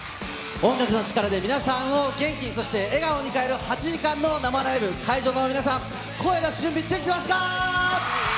音楽の力で皆さんを元気に、そして笑顔に変える８時間の生ライブ、会場の皆さん、声出す準備、できてますか？